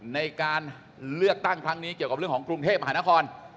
ในการเลือกตั้งครั้งนี้เกี่ยวกับเรื่องของกรุงเทพมหานคร